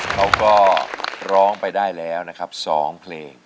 เขาก็ร้องไปได้แล้วนะครับ๒เพลง